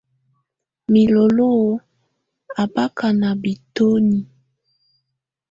Milolo a báká ná bitoní.